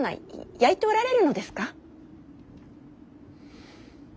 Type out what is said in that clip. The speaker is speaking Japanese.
やいておられるのですか。